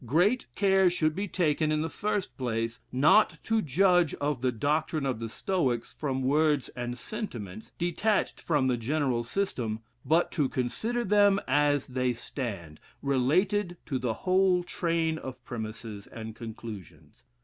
Great care should be taken, in the first place, not to judge of the doctrine of the Stoics from words and sentiments, detached from the general system, but to consider them as they stand, related to the whole train of premises and conclusions....